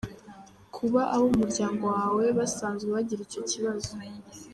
Kuba abo mu muryango wawe basanzwe bagira icyo kibazo.